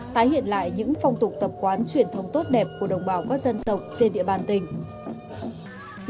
tái hiện lại những phong tục tập quán truyền thống tốt đẹp của đồng bào các dân tộc trên địa bàn tỉnh